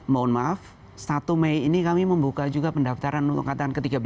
mohon maaf satu mei ini kami membuka juga pendaftaran untuk angkatan ke tiga belas